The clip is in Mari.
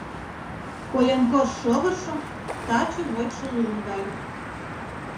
Коленкор шовыржо — таче вочшо лум гай.